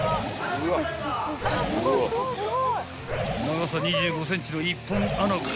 ［長さ２５ｃｍの一本あなごを］